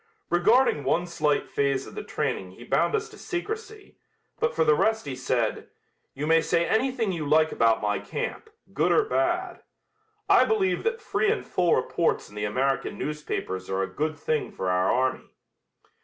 Regarding one slight phase of the training he bound us to secrecy, but for the rest he said: "You may say anything you like about my camp, good or bad. I believe that free and full reports in the American newspapers are a good thing for our army."